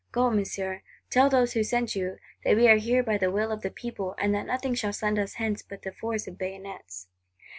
Go, Monsieur, tell these who sent you that we are here by the will of the People, and that nothing shall send us hence but the force of bayonets!